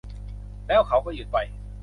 แล้วเขาก็หยุดไป